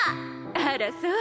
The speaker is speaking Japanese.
あらそう。